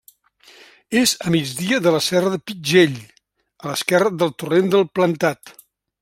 És a migdia de la Serra del Pitxell, a l'esquerra del Torrent del Plantat.